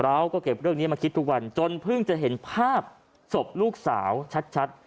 เราก็เก็บเรื่องนี้มาคิดทุกวันจนเพิ่งจะเห็นภาพศพลูกสาวชัด